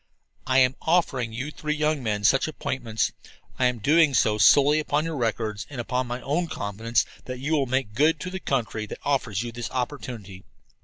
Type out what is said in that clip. "I am offering you three young men such appointments. I am doing so solely upon your records and upon my own confidence that you will make good to the country that offers you this opportunity.